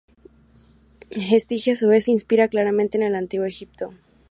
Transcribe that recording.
Estigia, a su vez, se inspira claramente en el Antiguo Egipto.